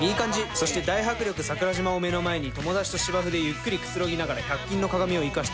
そして大迫力桜島を目の前に友達と芝生でゆっくりくつろぎながら百均の鏡をいかして。